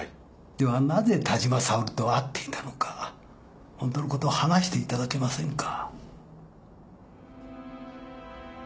ではなぜ田島沙織と会っていたのかホントのことを話していただけませんか？